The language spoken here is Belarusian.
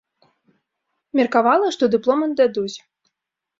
Меркавала, што дыплом аддадуць.